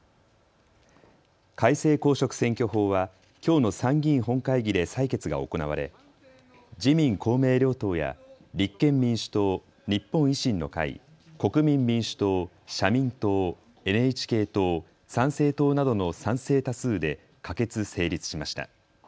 改正公職選挙法はきょうの参議院本会議で採決が行われ自民公明両党や立憲民主党、日本維新の会、国民民主党、社民党、ＮＨＫ党、参政党などの賛成多数で可決・成立しました。